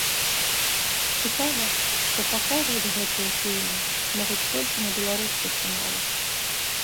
Цікава, што паказваць гэтыя фільмы могуць толькі на беларускіх каналах.